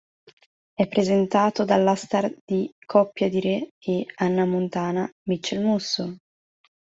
È presentato dalla star di "Coppia di re" e "Hannah Montana" Mitchel Musso.